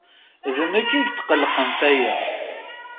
D nekk i yetqelqen f aya.